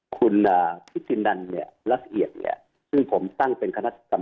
คุณอ่าพี่จินดันเนี่ยรักเอียดเนี่ยซึ่งผมตั้งเป็นคณะ